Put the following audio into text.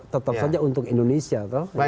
tetap saja untuk indonesia